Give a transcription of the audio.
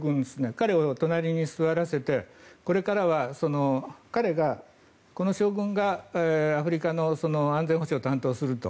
彼を隣に座らせてこれからは彼がこの将軍がアフリカの安全保障を担当すると。